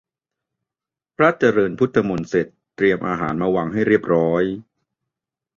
พระเจริญพุทธมนต์เสร็จ เตรียมอาหารมาวางให้เรียบร้อย